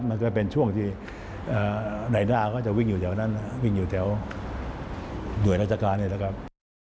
ซึ่งก็ดีนะครับ